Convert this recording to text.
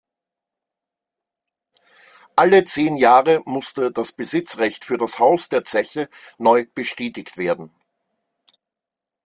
Alle zehn Jahre musste das Besitzrecht für das Haus der Zeche neu bestätigt werden.